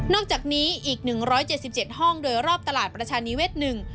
นอกจากนี้อีก๑๗๗ห้องโดยรอบตลาดประชานิเวศนึง